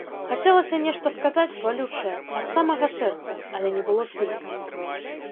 Хацелася нешта сказаць, балючае, ад самага сэрца, але не было сілы.